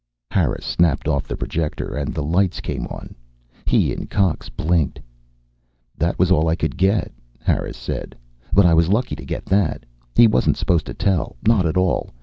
Harris snapped off the projector, and the lights came on. He and Cox blinked. "That was all I could get," Harris said. "But I was lucky to get that. He wasn't supposed to tell, not at all.